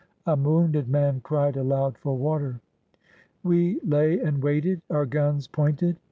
A wounded man cried aloud for water. We lay and waited, our guns pointed.